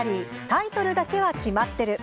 「タイトルだけは決まってる」。